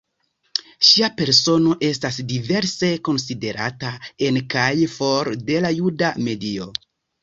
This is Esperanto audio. Ŝia persono estas diverse konsiderata ene kaj for de la juda medio.